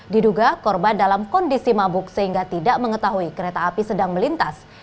diduga korban dalam kondisi mabuk sehingga tidak mengetahui kereta api sedang melintas